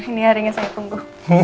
ini harinya saya tunggu